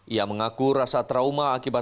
ia mengaku rasa trauma akibat